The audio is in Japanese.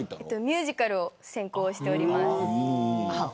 ミュージカルを専攻しています。